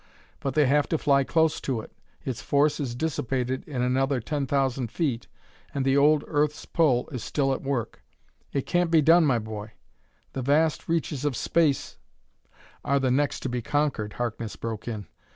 But they have to fly close to it; its force is dissipated in another ten thousand feet, and the old earth's pull is still at work. It can't be done, my boy; the vast reaches of space " "Are the next to be conquered," Harkness broke in.